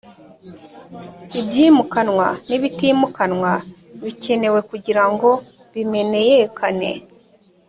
ibyimukanwa n ibitimukanwa bikenewe kugira ngo bimeneyekane